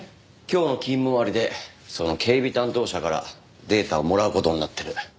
今日の勤務終わりでその警備担当者からデータをもらう事になってる。